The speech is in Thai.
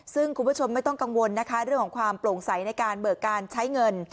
ซึ่งคุณผู้ชมไม่ต้องกังวลนะคะเรื่องของความโปร่งใสในการเบิกการใช้เงิน